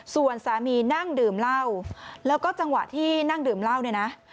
ส่วนสามีนั่งดื่มเหล้าแล้วก็จังหวะที่นั่งดื่มเหล้าเนี่ยนะ